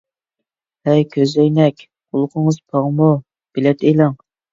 ھەي كۆزئەينەك، قۇلىقىڭىز پاڭمۇ؟ بېلەت ئېلىڭ!